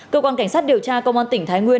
cơ quan cảnh sát điều tra công an tỉnh thái nguyên